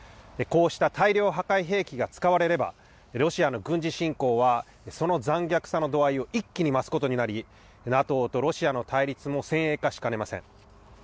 こうした大量破壊兵器が使われれば、ロシアの軍事侵攻はその残虐さの度合いを一気に増すことになり、ＮＡＴＯとロシアの対立も先鋭化しかねません。